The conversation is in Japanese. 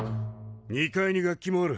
２階に楽器もある。